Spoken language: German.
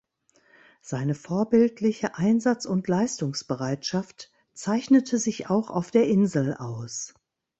Seine vorbildliche Einsatz- und Leistungsbereitschaft zeichnete sich auch auf der Insel aus.